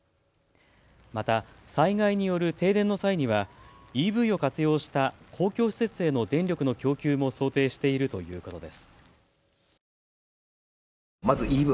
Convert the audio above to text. また災害による停電の際にはＥＶを活用した公共施設への電力の供給も想定しているということです。